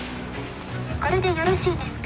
「これでよろしいですか？